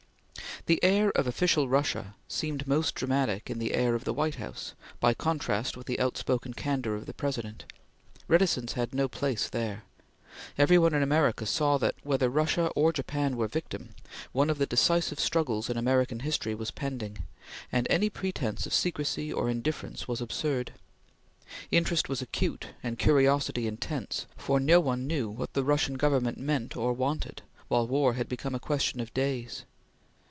The air of official Russia seemed most dramatic in the air of the White House, by contrast with the outspoken candor of the President. Reticence had no place there. Every one in America saw that, whether Russia or Japan were victim, one of the decisive struggles in American history was pending, and any pretence of secrecy or indifference was absurd. Interest was acute, and curiosity intense, for no one knew what the Russian Government meant or wanted, while war had become a question of days.